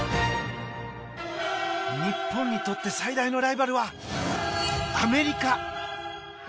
日本にとって最大のライバルはアメリカ！